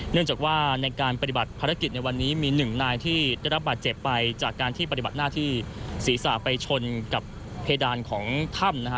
เนื่องจากว่าในการปฏิบัติภารกิจในวันนี้มีหนึ่งนายที่ได้รับบาดเจ็บไปจากการที่ปฏิบัติหน้าที่ศีรษะไปชนกับเพดานของถ้ำนะฮะ